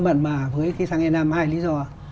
mặn mà với cái xăng enam hai lý do